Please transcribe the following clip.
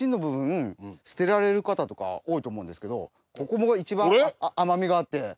捨てられる方とか多いと思うんですけどここも一番甘みがあって。